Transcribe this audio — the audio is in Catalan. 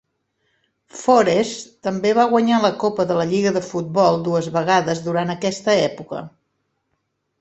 Forest també va guanyar la Copa de la Lliga de Futbol dues vegades durant aquesta època.